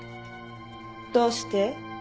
どうして？